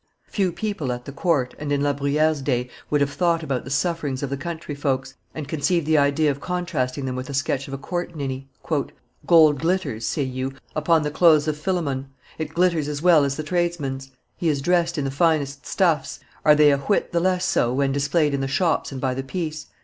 Few people at the court, and in La Bruyere's day, would have thought about the sufferings of the country folks, and conceived the idea of contrasting them with the sketch of a court ninny. "Gold glitters," say you, "upon the clothes of Philemon; it glitters as well as the tradesman's. He is dressed in the finest stuffs; are they a whit the less so when displayed in the shops and by the piece?